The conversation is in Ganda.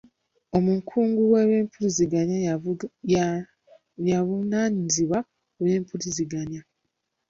Omukungu w'eby'empuliziganya y'avunaanyizibwa ku mpuliziganya.